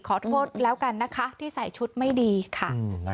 ขอโทษแล้วกันนะคะที่ใส่ชุดไม่ดีค่ะ